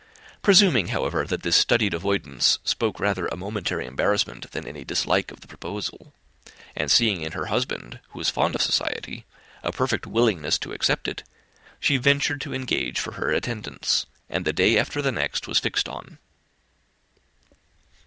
Presuming, however, that this studied avoidance spoke rather a momentary embarrassment than any dislike of the proposal, and seeing in her husband, who was fond of society, a perfect willingness to accept it, she ventured to engage for her attendance, and the day after the next was fixed on.